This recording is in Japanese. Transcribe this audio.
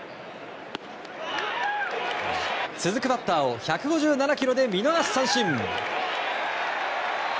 続くバッターを１５７キロで見逃し三振。